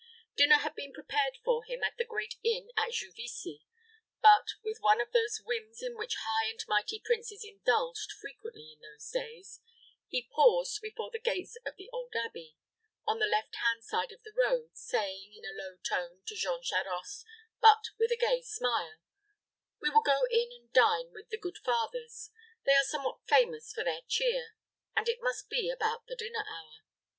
Dinner had been prepared for him at the great inn at Juvisy; but, with one of those whims in which high and mighty princes indulged frequently in those days, he paused before the gates of the old abbey, on the left hand side of the road, saying, in a low tone, to Jean Charost, but with a gay smile, "We will go in and dine with the good fathers. They are somewhat famous for their cheer, and it must be about the dinner hour."